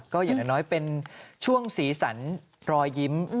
ก็อย่างน้อยเป็นช่วงสีสันรอยยิ้ม